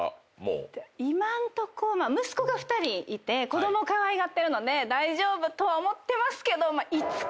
今んとこ息子が２人いて子供をかわいがってるので大丈夫とは思ってますけど。